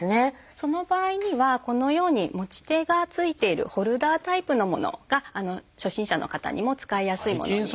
その場合にはこのように持ち手がついているホルダータイプのものが初心者の方にも使いやすいものになっています。